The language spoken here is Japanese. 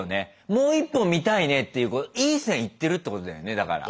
もう１本見たいねっていういい線行ってるってことだよねだから。